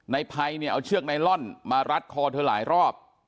ในภัยเนี่ยเอาเชือกไนลอนมารัดคอเธอหลายรอบ